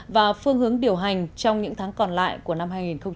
và phương hướng điều hành trong những tháng còn lại của năm hai nghìn một mươi tám